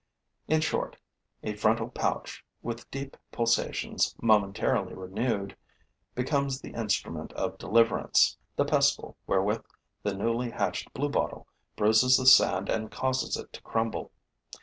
In short, a frontal pouch, with deep pulsations momentarily renewed, becomes the instrument of deliverance, the pestle wherewith the newly hatched bluebottle bruises the sand and causes it to crumble.